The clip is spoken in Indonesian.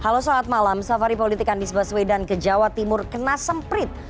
halo saat malam safari politik anies baswedan ke jawa timur kena semprit